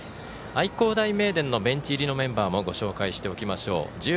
愛工大名電のベンチ入りのメンバーもご紹介していきましょう。